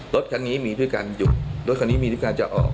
รถคันนี้มีด้วยการหยุดรถคันนี้มีด้วยการจะออก